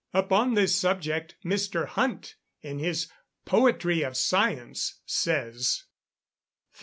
] Upon this subject Mr. Hunt, in his "Poetry of Science," says: 1336.